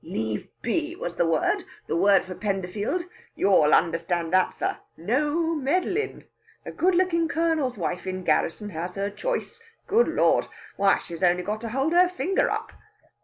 "Leave be was the word the word for Penderfield. You'll understand that, sir. No meddlin'! A good lookin' Colonel's wife in garrison has her choice, good Lard! Why, she's only got to hold her finger up!"